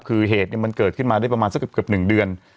คือเหตุมันเกิดขึ้นมาได้ประมาณสักเกือบ๑เดือน